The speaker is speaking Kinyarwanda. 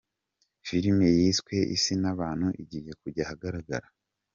Filimi yiswe Isi nabantu igiye kujya ahagaragara